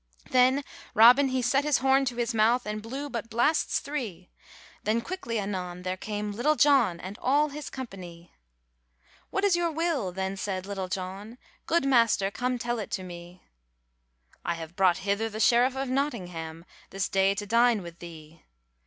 Then Robin he set his horn to his mouth, And blew but blasts three; Then quickly anon there came Little John, And all his company. 'What is your will?' then said little John, 'Good master come tell it to me;' 'I have brought hither the sheriff of Notingham, This day to dine with thee.'